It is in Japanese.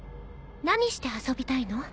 何して遊びたいの？